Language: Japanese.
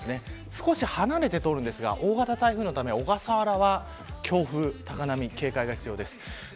少し離れて通りますが大型の台風のため小笠原は、強風や高波に警戒が必要です。